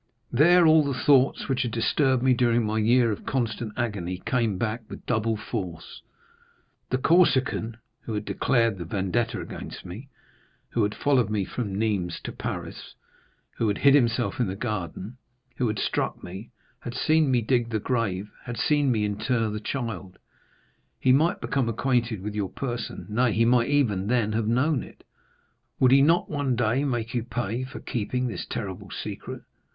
There all the thoughts which had disturbed me during my year of constant agony came back with double force. The Corsican, who had declared the vendetta against me, who had followed me from Nîmes to Paris, who had hid himself in the garden, who had struck me, had seen me dig the grave, had seen me inter the child,—he might become acquainted with your person,—nay, he might even then have known it. Would he not one day make you pay for keeping this terrible secret?